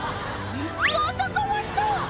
またかわした‼